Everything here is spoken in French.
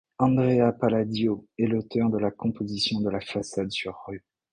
Andrea Palladio est l'auteur de la composition de la façade sur rue.